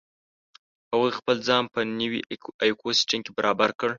هغوی خپل ځان په نوې ایکوسیستم کې برابر کړ.